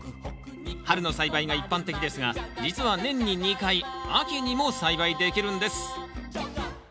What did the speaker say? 春の栽培が一般的ですが実は年に２回秋にも栽培できるんです